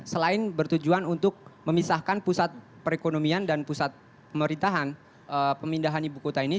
selain bertujuan untuk memisahkan pusat perekonomian dan pusat pemerintahan pemindahan ibu kota ini